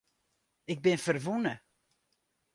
Ik bin ferwûne.